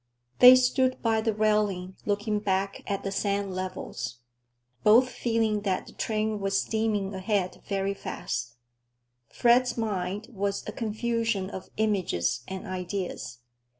They stood by the railing looking back at the sand levels, both feeling that the train was steaming ahead very fast. Fred's mind was a confusion of images and ideas.